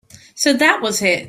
So that was it.